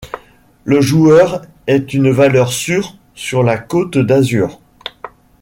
Le joueur est une valeur sûre sur la Côte d'Azur.